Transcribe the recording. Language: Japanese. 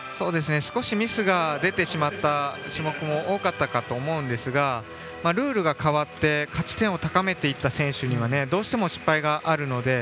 少しミスが出てしまった種目も多かったかと思うんですがルールが変わって価値点を高めていった選手にはどうしても失敗があるので。